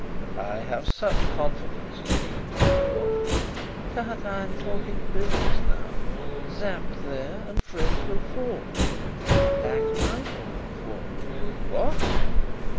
"I have such confidence in you, my lord!" "Tut! I'm talking business now. Sapt there and Fritz will fall; Black Michael will fall " "What!"